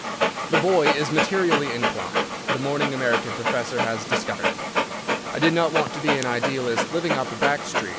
The boy is materially inclined—the mourning American professor has discovered it. I did not want to be an idealist living up a back street.